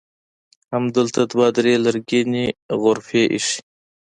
همدلته دوه درې لرګینې غرفې ایښي.